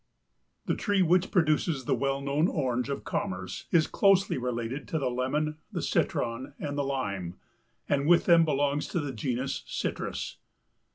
_) The tree which produces the well known Orange of commerce is closely related to the lemon, the citron and the lime, and with them belongs to the genus Citrus.